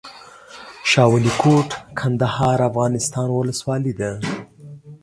شاه ولي کوټ، کندهار افغانستان ولسوالۍ ده